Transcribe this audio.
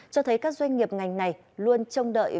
cho thấy các doanh nghiệp ngành này luôn trông đợi